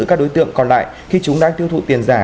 các đối tượng còn lại khi chúng đang tiêu thụ tiền giả